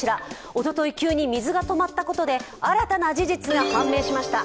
おととい、急に水が止まったことで新たな事実が判明しました。